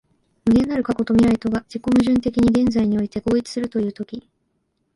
無限なる過去と未来とが自己矛盾的に現在において合一するという時、